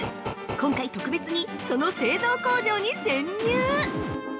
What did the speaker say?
今回特別にその製造工場に潜入！